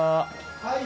・はい。